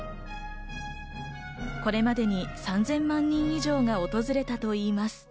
これまでに３０００万人以上が訪れたといいます。